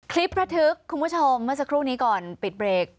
ระทึกคุณผู้ชมเมื่อสักครู่นี้ก่อนปิดเบรก